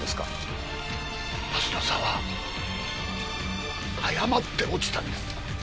鱒乃さんは誤って落ちたんです。